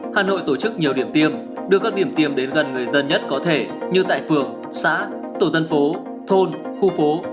hà nội tổ chức nhiều điểm tiêm đưa các điểm tiêm đến gần người dân nhất có thể như tại phường xã tổ dân phố thôn khu phố